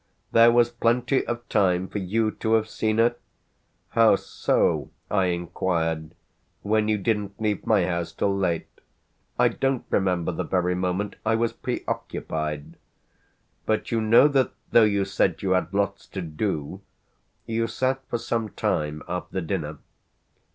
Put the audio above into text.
"There was plenty of time for you to have seen her? How so," I inquired, "when you didn't leave my house till late? I don't remember the very moment I was preoccupied. But you know that though you said you had lots to do you sat for some time after dinner.